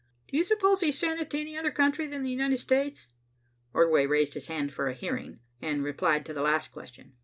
"Do you suppose he sent it to any other country than the United States?" Ordway raised his hand for a hearing and replied to the last question.